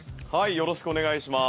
よろしくお願いします。